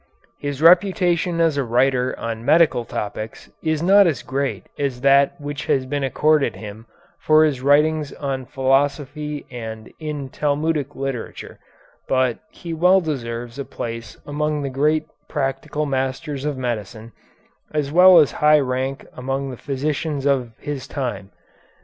His reputation as a writer on medical topics is not as great as that which has been accorded him for his writings on philosophy and in Talmudic literature, but he well deserves a place among the great practical masters of medicine, as well as high rank among the physicians of his time.